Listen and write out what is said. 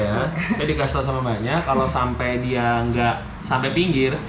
saya dikasih tahu sama mbaknya kalau sampai dia nggak sampai pinggir